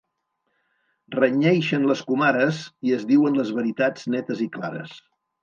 Renyeixen les comares i es diuen les veritats netes i clares.